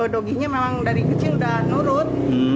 doginya memang dari kecil udah nurut